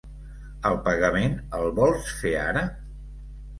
El pagament el vols fer ara?